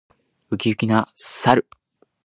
ウキウキな猿。